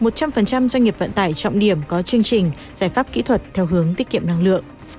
một trăm linh doanh nghiệp vận tải trọng điểm có chương trình giải pháp kỹ thuật theo hướng tiết kiệm năng lượng